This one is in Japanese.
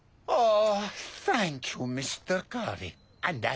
ああ！